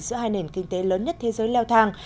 giữa hai nền kinh tế lớn nhất thế giới leo thang